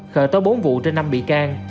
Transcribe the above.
khởi tới bốn vụ trên năm bị can